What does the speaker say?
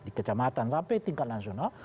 di kecamatan sampai tingkat nasional